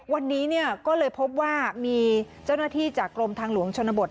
วันนี้ก็เลยพบว่ามีเจ้าหน้าที่จากกรมทางหลวงชนบท